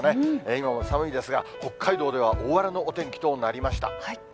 今も寒いですが、北海道では大荒れのお天気となりました。